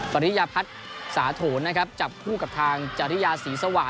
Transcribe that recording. ปริยพัฒน์สาโถนนะครับจับคู่กับทางจริยาศรีสว่าง